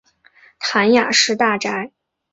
谭雅士大宅。